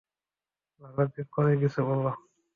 ভালো করে কিছু বলো।